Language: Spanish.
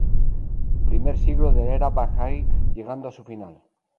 Primer siglo de la era Bahá'í llegando a su final.